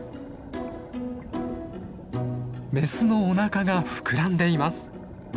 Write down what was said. メスのおなかが膨らんでいます。